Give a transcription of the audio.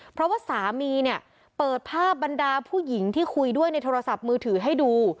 เพราะว่าสามีเนี่ยเปิดภาพบรรดาผู้หญิงที่คุยด้วยในโทรศัพท์มือถือให้ดู